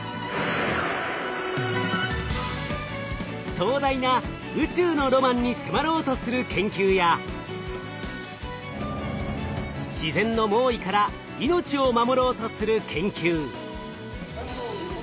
壮大な宇宙のロマンに迫ろうとする研究や自然の猛威から命を守ろうとする研究。